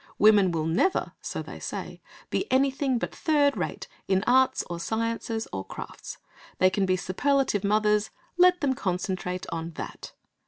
Women will never, so they say, be anything but third rate in arts or sciences or crafts; they can be superlative mothers; let them concentrate on that.